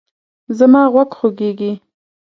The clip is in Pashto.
زما غوږ خوږیږي